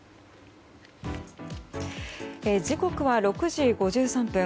時刻は６時５３分。